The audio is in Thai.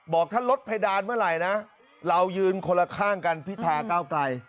บอกถ้าลดเพดานเมื่อไหร่นะเรายืนคนละข้างกันพิธาก้าวไกล